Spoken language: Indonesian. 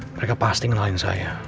mereka pasti kenalin saya